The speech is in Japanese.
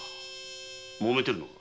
もめてるのか？